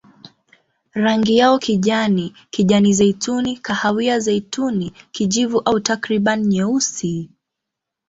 Rangi yao kijani, kijani-zeituni, kahawia-zeituni, kijivu au takriban nyeusi.